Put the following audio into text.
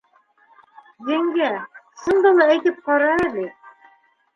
— Еңгә, шунда ла әйтеп ҡара әле.